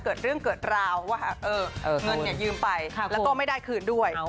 เกิดเรื่องเกิดราวว่าเงินยืมไปแล้วก็ไม่ได้คืนด้วย